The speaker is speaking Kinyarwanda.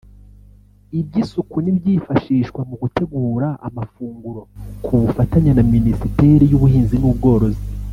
iby’isuku n’ibyifashishwa mu gutegura amafunguro ku bufatanye na Minisiteri y’Ubuhinzi n’Ubworozi